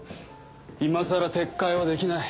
今更撤回はできない。